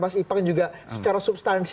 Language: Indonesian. mas ipang juga secara substansi